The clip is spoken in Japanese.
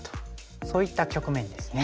そういった局面ですね。